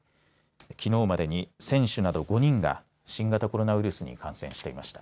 きのうまでに選手など５人が新型コロナウイルスに感染していました。